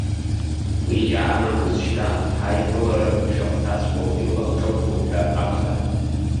Уи иаанагоз шьҭа ҳаиԥылара ишахәҭаҵәҟьоу ирлахҿыхтәуп ҳәа акәзаарын.